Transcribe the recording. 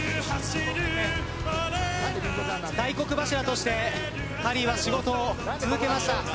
大黒柱としてハリーは仕事を続けました。